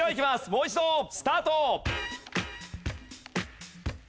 もう一度スタート！